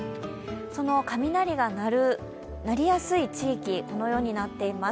その雷が鳴りやすい地域、このようになっています。